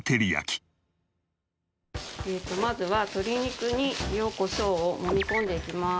えっとまずは鶏肉に塩コショウをもみ込んでいきます。